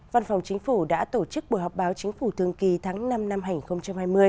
văn phòng chính phủ đã tổ chức buổi họp báo chính phủ thường kỳ tháng năm năm hai nghìn hai mươi